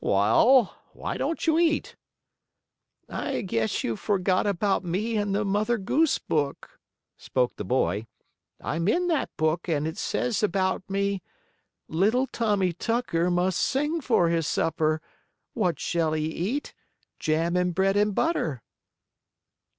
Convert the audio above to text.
"Well, why don't you eat?" "I guess you forgot about me and the Mother Goose book," spoke the boy. "I'm in that book, and it says about me: "'Little Tommie Tucker, Must sing for his supper. What shall he eat? Jam and bread and butter.'"